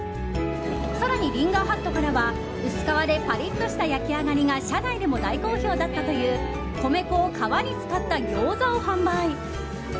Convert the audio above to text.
更に、リンガーハットからは薄皮でパリッとした焼き上がりが社内でも大好評だったという米粉を皮に使ったギョーザを販売。